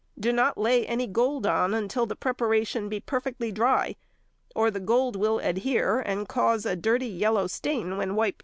Do not lay any gold on until the preparation be perfectly dry, or the gold will adhere and cause a dirty yellow stain where wiped off.